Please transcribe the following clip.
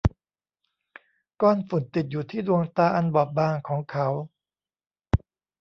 ก้อนฝุ่นติดอยู่ที่ดวงตาอันบอบบางของเขา